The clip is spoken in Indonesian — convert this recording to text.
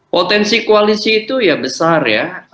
potensi koalisi itu ya besar ya